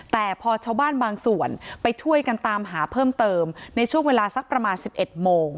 แต่พอชาวบ้านบางส่วนไปช่วยกันตามหาเพิ่มเติมในช่วงเวลาสักประมาณ๑๑โมง